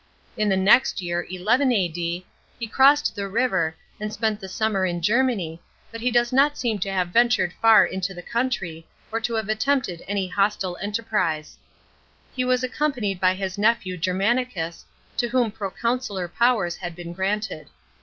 In the next year, 11 A.D., he crossed the river, and spent the summer in Germany, but he does not seem to have ventured far into the country or to have attempted any hostile enterprise. He was accompanied by his nephew Germanicus, to whom proconsular powers had been granted.